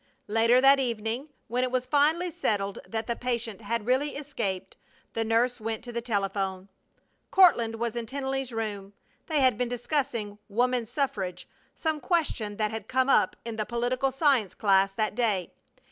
Later that evening, when it was finally settled that the patient had really escaped, the nurse went to the telephone. Courtland was in Tennelly's room. They had been discussing woman suffrage, some question that had come up in the political science class that day.